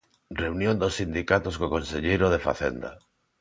Reunión dos sindicatos co conselleiro de Facenda.